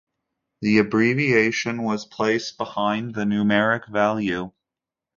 The abbreviation was placed behind the numeric value.